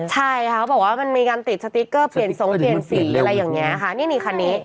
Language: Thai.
ใช่ค่ะเขาบอกว่ามันมีการติดสติ๊กเกอร์เปลี่ยนทรงเปลี่ยนสีอะไรอย่างเงี้ยค่ะนี่นี่คันนี้